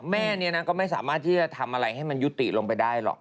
แม่เนี่ยนะก็ไม่สามารถที่จะทำอะไรให้มันยุติลงไปได้หรอก